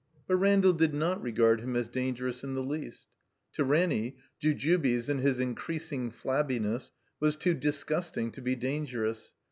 But Randall did not regard him as dangerous in the least. To Ranny, Jujubes, in his increasing flabbiness, was too disgusting to be dangerous.